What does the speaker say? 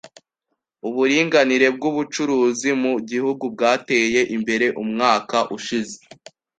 Uburinganire bw’ubucuruzi mu gihugu bwateye imbere umwaka ushize